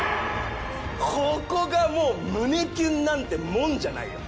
ここがもう胸キュンなんてもんじゃないよ。